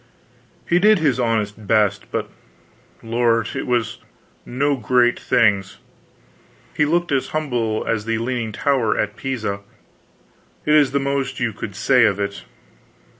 He did his honest best, but lord, it was no great things. He looked as humble as the leaning tower at Pisa. It is the most you could say of it.